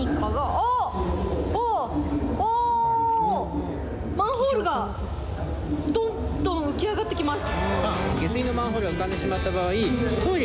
あっ、あっ、あー、マンホールがどんどん浮き上がってきます。